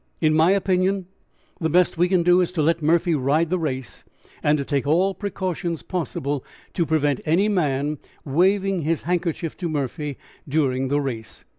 "In my opinion, the best we can do is to let Murphy ride the race, and to take all precautions possible to prevent any man waving his handkerchief to Murphy during the race.